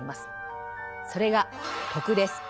それが「徳」です。